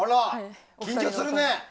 緊張するね！